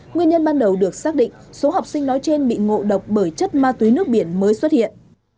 nguyên nhân ban đầu được xác định số học sinh nói trên bị ngộ độc bởi chất ma túy nước biển mới xuất hiện